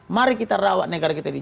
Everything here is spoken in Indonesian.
mari kita rawat negara kita ini